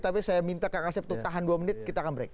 tapi saya minta kang asep itu tahan dua menit kita akan break